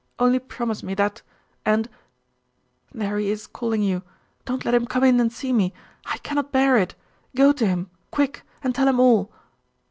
Only promise me that, and There he is calling you! Don't let him come in and see me! I cannot bear it! Go to him, quick, and tell him all.